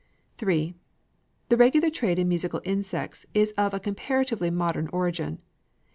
III The regular trade in musical insects is of comparatively modern origin.